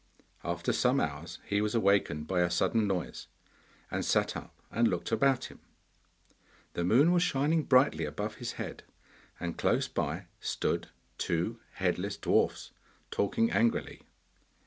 After some hours, he was awakened by a sudden noise, and sat up and looked about him. The moon was shining brightly above his head, and close by stood two headless dwarfs, talking angrily.